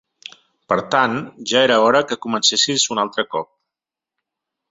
Per tant, ja era hora que comencessis un altre cop.